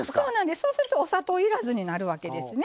そうするとお砂糖いらずになるわけですね。